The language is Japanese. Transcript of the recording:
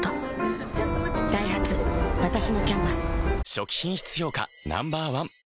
初期品質評価Ｎｏ．１